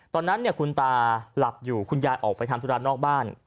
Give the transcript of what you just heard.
ตอนนั้นคุณตาหลับอยู่คุณยายออกไปทำธุระนอกบ้าน